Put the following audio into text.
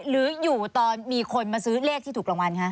หรืออยู่ตอนมีคนมาซื้อเลขที่ถูกรางวัลคะ